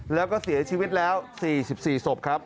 แล้วก็เสียชีวิตแล้ว๔๔ศพครับ